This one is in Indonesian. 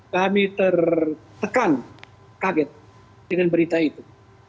kami tertekan kaget dengan berita itu